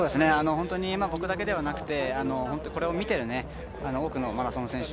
僕だけではなくてこれを見てる多くのマラソン選手